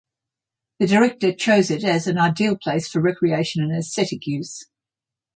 The director chose it as an ideal place for recreation and aesthetic use.